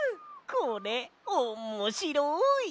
これおもしろい！